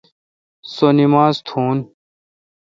سو نماز تھون۔